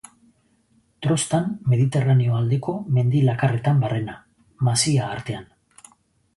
Trostan Mediterraneo aldeko mendi lakarretan barrena, masia artean.